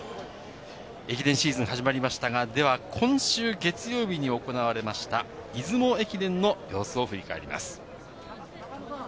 駅伝シーズン始まりましたが、今週月曜日に行われました、出雲駅伝の様子を振り返ります。